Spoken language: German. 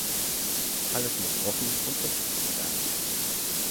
Alles muss offen und öffentlich sein.